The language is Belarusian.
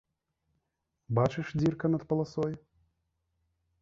Бачыш, дзірка над паласой?